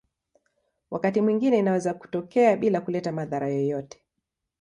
Wakati mwingine inaweza kutokea bila kuleta madhara yoyote.